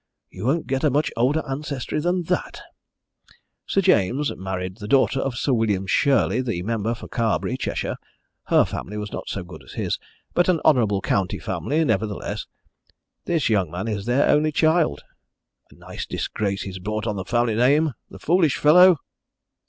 You won't get a much older ancestry than that. Sir James married the daughter of Sir William Shirley, the member for Carbury, Cheshire her family was not so good as his, but an honourable county family, nevertheless. This young man is their only child. A nice disgrace he's brought on the family name, the foolish fellow!"